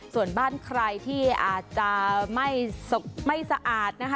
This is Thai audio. ส่วนบ้านใครที่อาจจะไม่สะอาดนะคะ